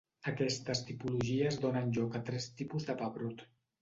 Aquestes tipologies donen lloc a tres tipus de pebrot: